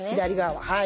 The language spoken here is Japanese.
はい。